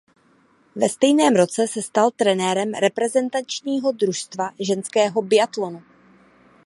Ve stejném roce se stal trenérem reprezentačního družstva ženského biatlonu.